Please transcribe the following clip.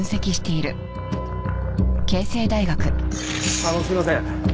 あのすいません。